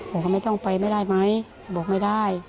บอกว่าไม่ต้องไปไม่ได้ไหมบอกไม่ได้